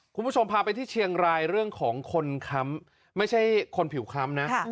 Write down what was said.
คุณผู้ชมพาไปที่เชียงรายเรื่องของคนค้ำไม่ใช่คนผิวค้ำนะ